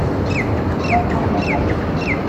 不堪入目